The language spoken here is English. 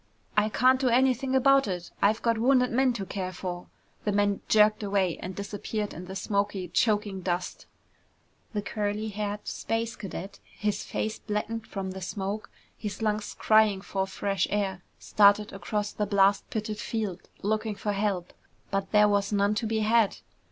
"I can't do anything about it. I've got wounded men to care for!" The man jerked away and disappeared in the smoky, choking dust. The curly haired space cadet, his face blackened from the smoke, his lungs crying for fresh air, started across the blast pitted field, looking for help. But there was none to be had.